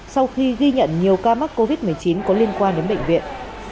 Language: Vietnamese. sau khi ghi nhận nhiều ca mắc covid một mươi chín có liên quan đến bệnh viện